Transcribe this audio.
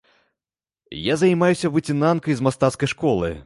Я займаюся выцінанкай з мастацкай школы.